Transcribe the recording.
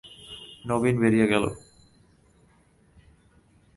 নবীন বেরিয়ে গেল।